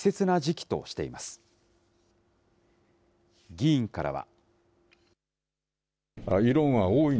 議員からは。